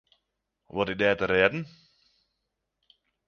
Wat is der te rêden?